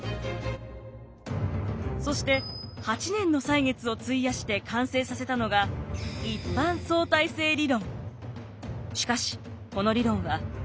そして８年の歳月を費やして完成させたのが一般相対性理論。